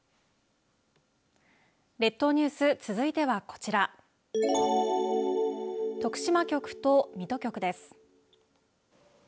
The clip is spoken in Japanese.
列島ニュース続いてはこちら徳島局と水戸局です。